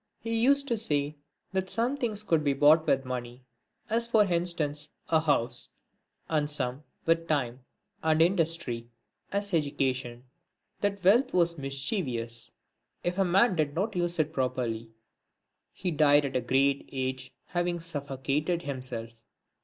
He used to say that some things could be bought with money, as for instance a house ; and some with time and industry, as education; that wealth was mischievous; if a man did not use it properly. IV. He died at a great age, having suffocated himself.